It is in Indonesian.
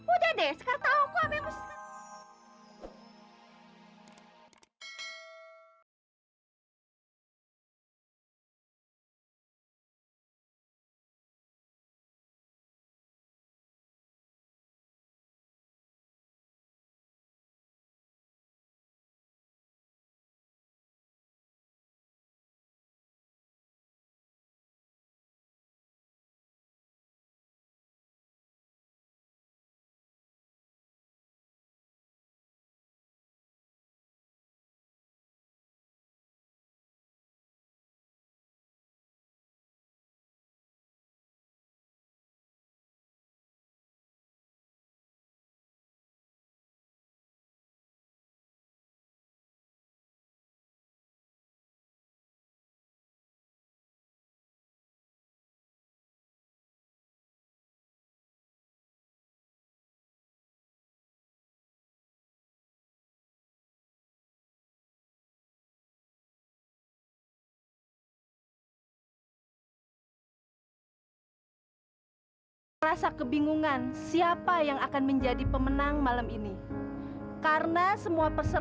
udah deh sekarang tahu aku apa yang harus